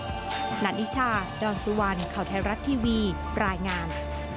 หลานนิชาดอนสุวรรณข่าวไทยรัฐทีวีรายงาน